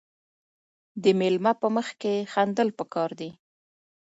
د میلمه په مخ کې خندل پکار دي.